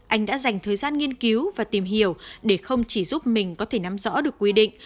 anh đã dành thời gian nghiên cứu và tìm hiểu để không chỉ giúp mình có thể nắm rõ được quy định